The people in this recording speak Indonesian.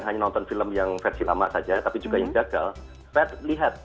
hanya nonton film yang versi lama saja tapi juga yang jagal